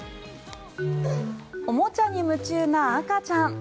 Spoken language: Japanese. おもちゃに夢中な赤ちゃん。